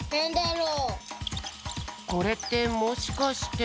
これってもしかして。